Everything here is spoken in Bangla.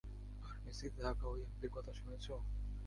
ফার্মেসীতে থাকা ওই এমপির কথা শুনেছ?